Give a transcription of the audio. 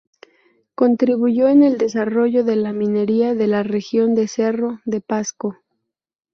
Contribuyó en el desarrollo de la minería de la región de Cerro de Pasco.